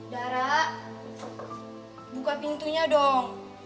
dara buka pintunya dong